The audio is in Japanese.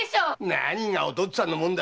何が「お父っつぁんの物」だ。